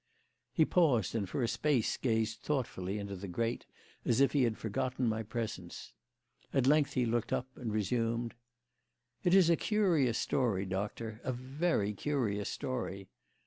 He paused, and for a space gazed thoughtfully into the grate as if he had forgotten my presence. At length he looked up, and resumed: "It is a curious story, Doctor a very curious story.